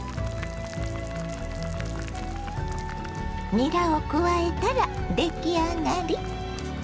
にらを加えたら出来上がり。